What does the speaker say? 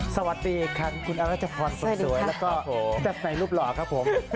สวยครับแล้วก็แบบในรูปหล่อครับผม